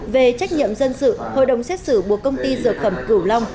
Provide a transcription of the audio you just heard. về trách nhiệm dân sự hội đồng xét xử buộc công ty dược phẩm cửu long